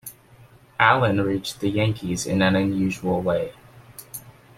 Allen reached the Yankees in an unusual way.